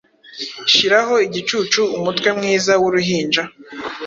shiraho igicucu umutwe mwiza wuruhinja!